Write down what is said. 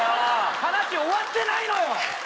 話終わってないのよ！